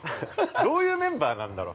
◆どういうメンバーなんだろう。